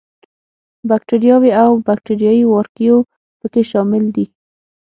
باکټریاوې او باکټریايي وارکیو په کې شامل دي.